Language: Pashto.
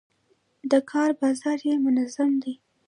د کار بازار یې منظم دی.